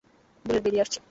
Bullet বেরিয়ে আসছে।